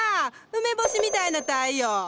梅干しみたいな太陽。